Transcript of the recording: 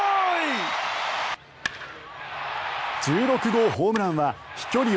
１６号ホームランは飛距離